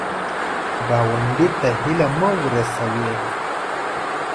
ګاونډي ته هیله مه ورسوې